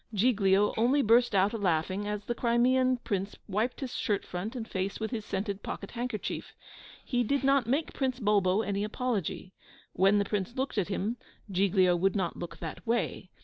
Giglio only burst out a laughing as the Crimean Prince wiped his shirt front and face with his scented pocket handkerchief. He did not make Prince Bulbo any apology. When the Prince looked at him, Giglio would not look that way.